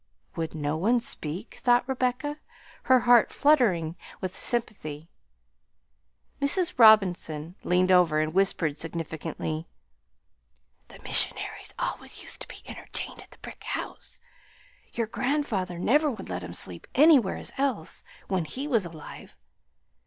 "Would no one speak!" thought Rebecca, her heart fluttering with sympathy. Mrs. Robinson leaned over and whispered significantly, "The missionaries always used to be entertained at the brick house; your grandfather never would let 'em sleep anywheres else when he was alive."